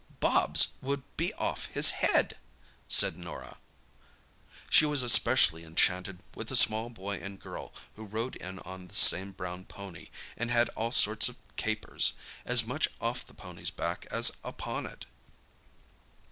"Bobs would be off his head!" said Norah. She was especially enchanted with a small boy and girl who rode in on the same brown pony, and had all sorts of capers, as much off the pony's back as upon it.